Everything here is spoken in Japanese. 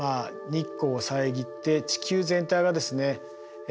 日光を遮って地球全体がですね